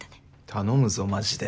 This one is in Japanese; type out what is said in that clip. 頼むぞマジで。